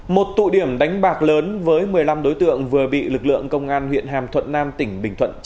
một tụ điểm đánh bạc lớn với một mươi năm đối tượng vừa bị lực lượng công an huyện hàm thuận nam tỉnh bình thuận